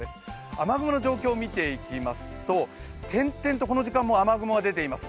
雨雲の状況を見ていきますと点々とこの時間も雨雲が出ています。